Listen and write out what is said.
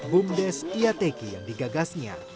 bumdes iatki yang digagasnya